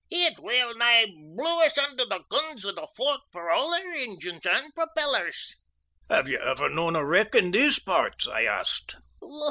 It well nigh blew us under the guns of the forts, for all our engines and propellers." "Have you ever known a wreck in these parts?" I asked.